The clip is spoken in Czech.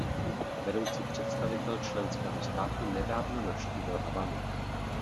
Vedoucí představitel členského státu nedávno navštívil Havanu.